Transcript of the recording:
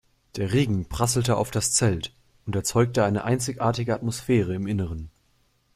Der Regen prasselte auf das Zelt und erzeugte eine einzigartige Atmosphäre im Innern.